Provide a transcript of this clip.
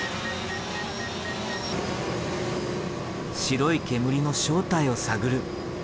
白い煙の正体を探る。